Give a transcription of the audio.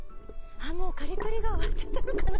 もう刈り取りが終わっちゃったのかな？